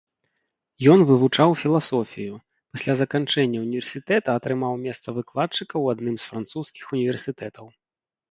Ён вывучаў філасофію, пасля заканчэння ўніверсітэта атрымаў месца выкладчыка ў адным з французскіх універсітэтаў.